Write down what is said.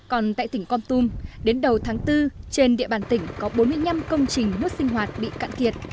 còn tại tỉnh con tum đến đầu tháng bốn trên địa bàn tỉnh có bốn mươi năm công trình nước sinh hoạt bị cạn kiệt